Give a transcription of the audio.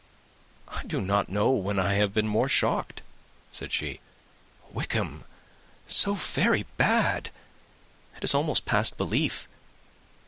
"I do not know when I have been more shocked," said she. "Wickham so very bad! It is almost past belief.